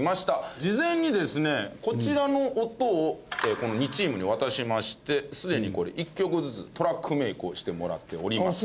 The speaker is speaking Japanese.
事前にですねこちらの音をこの２チームに渡しましてすでに１曲ずつトラックメイクをしてもらっております。